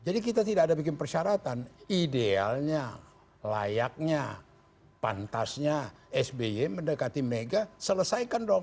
jadi kita tidak ada bikin persyaratan idealnya layaknya pantasnya sby mendekati mega selesaikan dong